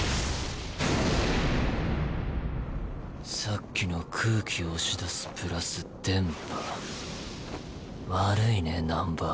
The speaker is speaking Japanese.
さっきの空気押し出すプラス電波悪いね